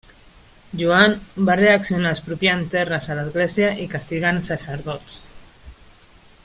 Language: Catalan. Joan va reaccionar expropiant terres a l'Església i castigant sacerdots.